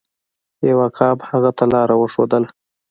یو عقاب هغه ته لاره وښودله.